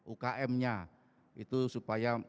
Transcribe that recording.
ukm nya itu supaya